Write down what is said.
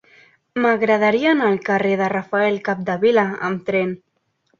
M'agradaria anar al carrer de Rafael Capdevila amb tren.